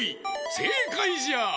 せいかいじゃ！